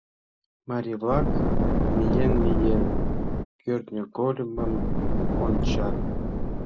Марий-влак, миен-миен, кӱртньыгольмым ончат.